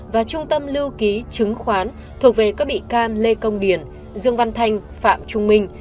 và trung tâm lưu ký chứng khoán thuộc về các bị can lê công điền dương văn thanh phạm trung minh